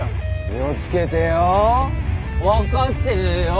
気を付けてよ。分かってるよ。